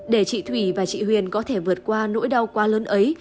để chị thủy và chị huyền có thể vượt qua nỗi đau quá lớn ấy